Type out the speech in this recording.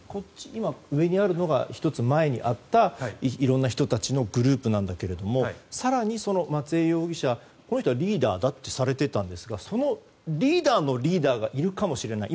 上にあるのが１つ前にあったいろんな人たちのグループだけれども松江容疑者がリーダーだとされているんですがそのリーダーのリーダーがいるかもしれない。